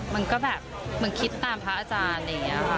มันก็แบบเหมือนคิดตามพระอาจารย์อะไรอย่างนี้ค่ะ